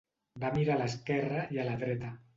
Va mirar a l'esquerra i a la dreta.